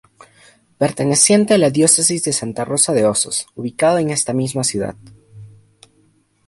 Perteneciente a la Diócesis de Santa Rosa de Osos; ubicado en esta misma ciudad.